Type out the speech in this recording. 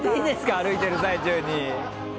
歩いてる最中に。